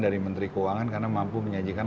dari menteri keuangan karena mampu menyajikan